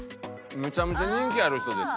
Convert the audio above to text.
めちゃめちゃ人気ある人ですわ。